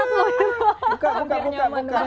buka buka buka